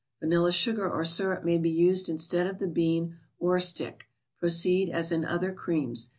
Vanilla sugar or syrup may be used instead of the bean or stick. Proceed as in other creams.